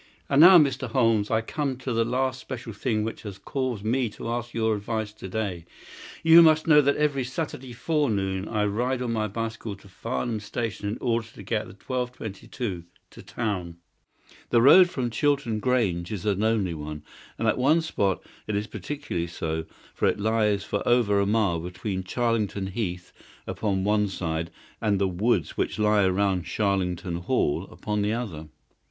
"And now, Mr. Holmes, I come at last to the special thing which has caused me to ask your advice to day. You must know that every Saturday forenoon I ride on my bicycle to Farnham Station in order to get the 12.22 to town. The road from Chiltern Grange is a lonely one, and at one spot it is particularly so, for it lies for over a mile between Charlington Heath upon one side and the woods which lie round Charlington Hall upon the other.